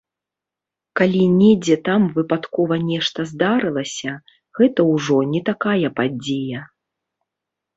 Калі недзе там выпадкова нешта здарылася, гэта ўжо не такая падзея.